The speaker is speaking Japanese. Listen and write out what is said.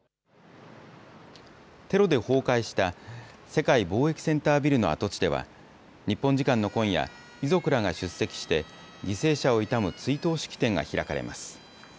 テロで崩壊した世界貿易センタービルの跡地では、日本時間の今夜、遺族らが出席して、犠牲者を悼む追悼式典が開かれます。